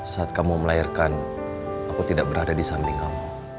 saat kamu melahirkan aku tidak berada di samping kamu